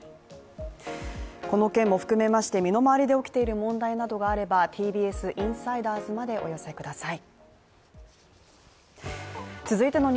この件も含めまして身の回りで起きている問題があればＴＢＳインサイダーズまでお寄せください。